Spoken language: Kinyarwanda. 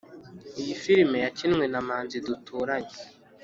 Iyi filime yakinwe na manzi duturanye